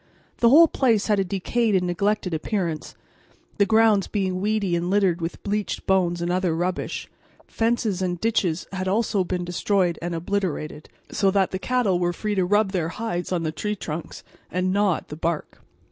The whole place had a decayed and neglected appearance, the grounds being weedy and littered with bleached bones and other rubbish: fences and ditches had also been destroyed and obliterated, so that the cattle were free to rub their hides on the tree trunks and gnaw at the bark.